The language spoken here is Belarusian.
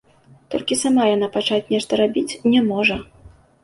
Толькі сама яна пачаць нешта рабіць не можа.